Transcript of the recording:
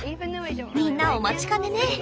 みんなお待ちかねね。